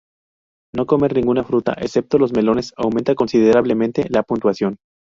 No comer ninguna fruta excepto los melones aumenta considerablemente la puntuación.